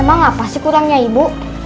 emang apa sih kurangnya ibu